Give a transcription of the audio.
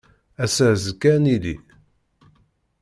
Ass-a azekka ad nili.